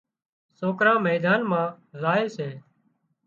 سوڪران ميدان مان زائي سي